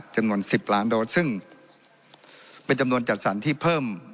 จำนวน๑๐ล้านโดสซึ่งเป็นจำนวนจัดสรรที่เพิ่ม